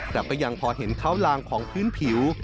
แต่ก็ยังพอเห็นเขาลางของพื้นผิว